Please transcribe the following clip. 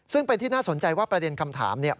ซึ่งเป็นที่น่าสนใจว่าประเด็นคำถามเนี่ย